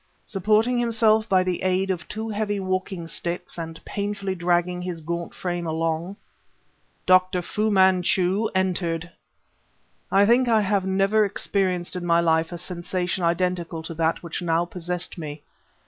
Supporting himself by the aid of two heavy walking sticks and painfully dragging his gaunt frame along, Dr. Fu Manchu entered! I think I have never experienced in my life a sensation identical to that which now possessed me.